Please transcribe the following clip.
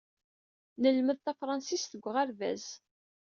Nlemmed tafṛensist deg uɣerbaz.